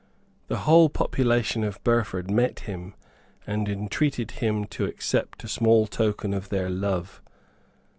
The whole population of Burford met him, and entreated him to accept a small token of their love.